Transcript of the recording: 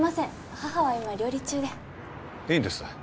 母は今料理中でいいんです